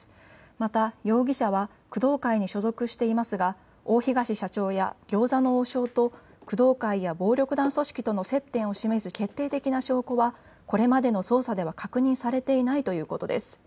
また容疑者は工藤会に所属していますが大東社長や餃子の王将と工藤会や暴力団組織との接点を示す決定的な証拠はこれまでの捜査では確認されていないということです。